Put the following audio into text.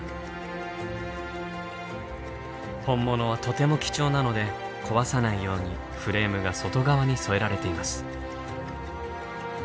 本物はとても貴重なので壊さないようにフレームが外側に添えられています。